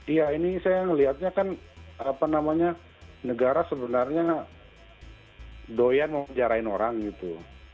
ya ini saya melihatnya kan apa namanya negara sebenarnya doyan mau menjarahin orang gitu